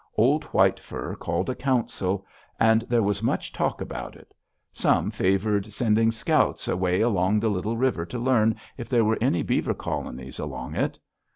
Old White Fur called a council, and there was much talk about it. Some favored sending scouts away down the Little River to learn if there were any beaver colonies along it.